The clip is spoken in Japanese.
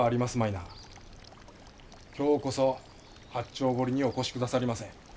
今日こそ八丁堀にお越し下さりませ。